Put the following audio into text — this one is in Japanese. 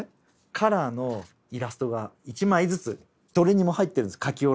カラーのイラストが１枚ずつどれにも入ってるんです描きおろし。